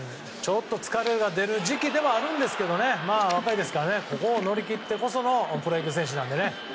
疲れが出る時期でもあるんですが若いですからここを乗り切ってこそのプロ野球選手なので。